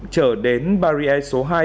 trở đến barrier số hai